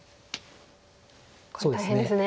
これ大変ですね。